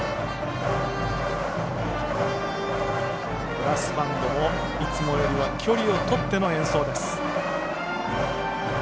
ブラスバンドもいつもより距離をとっての演奏です。